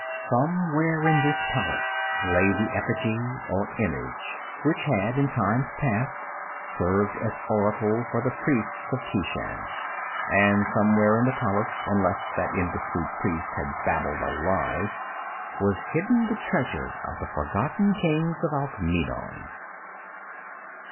Somewhere in this palace lay the effigy or image which had in times past served as oracle for the priests of Keshan. And somewhere in the palace, unless that indiscreet priest had babbled a lie, was hidden the treasure of the forgotten kings of Alkmeenon.